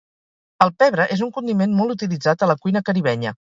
El pebre és un condiment molt utilitzat a la cuina caribenya.